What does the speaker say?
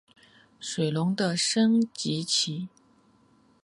水龙的升级棋。